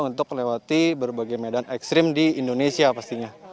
untuk melewati berbagai medan ekstrim di indonesia pastinya